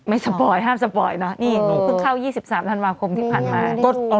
สปอยห้ามสปอยนะนี่หนูเพิ่งเข้า๒๓ธันวาคมที่ผ่านมา